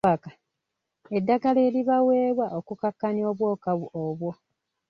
Eddagala eribaweebwa okukkakkanya obwoka obwo.